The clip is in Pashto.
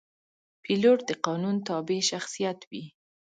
پیلوټ د قانون تابع شخصیت وي.